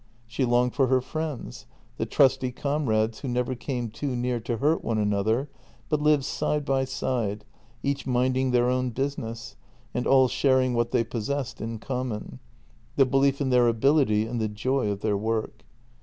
She longed for her friends, the trusty comrades who never came too near to hurt one another, but lived side by side, each minding their own business and all sharing what they possessed in common: the belief in their ability and the joy of their work.